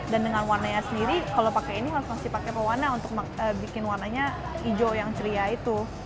dan dengan warnanya sendiri kalau pakai ini harus masih pakai pewarna untuk bikin warnanya hijau yang ceria itu